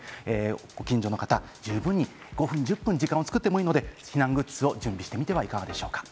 ご近所の方、十分に、５分、１０分時間を作ってもいいので避難グッズを準備してみてはいかがでしょうか。